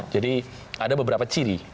jadi ada beberapa ciri